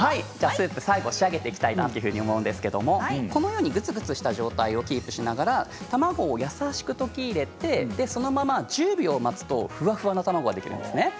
スープ最後仕上げてきたいきたいと思うんですがこのようにグツグツした状態をキープしながら卵を優しく溶き入れてそのまま１０秒待つとフワフワの卵ができますね。